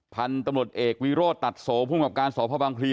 พันธุ์ตำรวจเอกวิโรธตัดโสภูมิกับการสพบังพลี